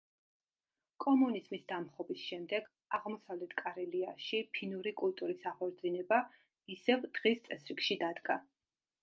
კომუნიზმის დამხობის შემდეგ აღმოსავლეთ კარელიაში ფინური კულტურის აღორძინება ისევ დღის წესრიგში დადგა.